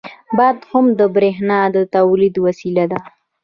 • باد هم د برېښنا د تولید وسیله ده.